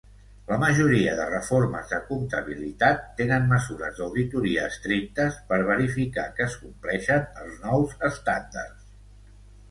La majoria de reformes de comptabilitat tenen mesures d'auditoria estrictes per verificar que es compleixen els nous estàndards.